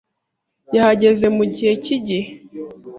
yahageze mugihe cyigihe.